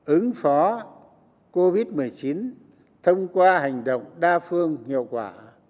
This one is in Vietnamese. ứng phó covid một mươi chín thông qua hành động đa phương hiệu quả